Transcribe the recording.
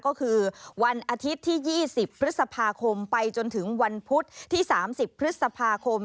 ก็คือวันอาทิตย์ที่๒๐พฤษภาคมไปจนถึงวันพุธที่๓๐พฤษภาคม